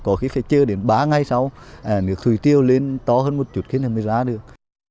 có khi phải chơi đến ba ngày sau nước thủy tiêu lên to hơn một chút khiến là mới ra được